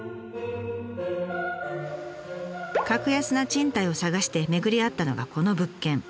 格安な賃貸を探して巡り合ったのがこの物件。